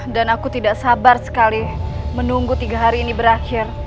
dan aku tidak sabar sekali menunggu tiga hari ini berakhir